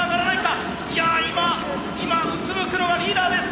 今うつむくのはリーダーです。